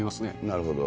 なるほど。